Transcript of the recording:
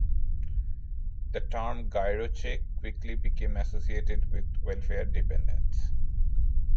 The term Girocheque quickly became associated with welfare dependence.